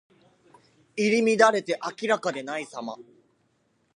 入り乱れて明らかでないさま。